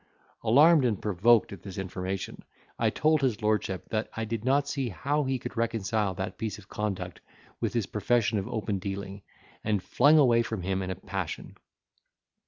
Alarmed and provoked at this information, I told his lordship, that I did not see how he could reconcile that piece of conduct with his profession of open dealing, and flung away from him in a passion.